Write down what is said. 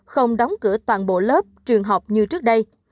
không đóng cửa toàn bộ lớp trường học như trước đây